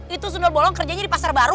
itu sunda bolong kerjanya di pasar baru